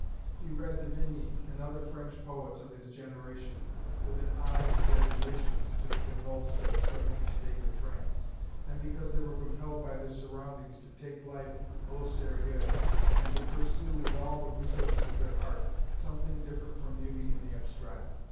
He read De Vigny and other French poets of his generation, with an eye to their relations to the convulsed and struggling state of France, and because they were compelled by their surroundings to take life au sérieux, and to pursue, with all the resources of their art, something different from beauty in the abstract.